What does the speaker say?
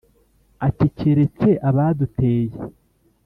Ati :« Keretse abaduteye !